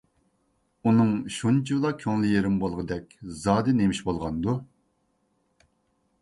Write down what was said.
ئۇنىڭ شۇنچىۋالا كۆڭلى يېرىم بولغۇدەك زادى نېمىش بولغاندۇ؟